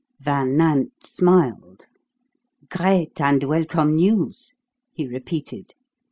Van Nant smiled. "Great and welcome news," he repeated.